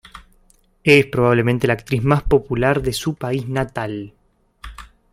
Es probablemente la actriz más popular de su país natal.